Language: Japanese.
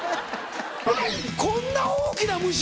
こんな大きな虫⁉